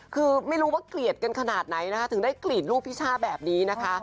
คือไม่รู้ว่าเกลียดกันขนาดไหนนะคะถึงได้กรีดลูกพี่ช่าแบบนี้นะคะ